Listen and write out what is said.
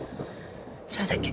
それだけ。